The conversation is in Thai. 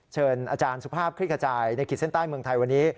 เชิญอาจารย์สุภาพคลิกขจายในขีดเส้นใต้เมืองไทยวันนี้